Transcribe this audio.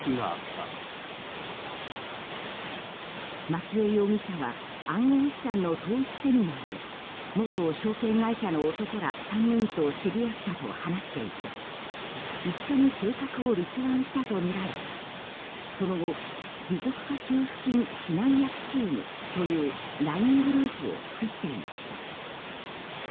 松江容疑者は暗号資産の投資セミナーで元証券会社の男ら３人と知り合ったと話していて一緒に計画を立案したとみられその後持続化給付金指南役チームというＬＩＮＥグループを作っていました。